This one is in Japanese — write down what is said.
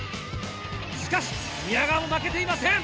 しかし宮川も負けていません！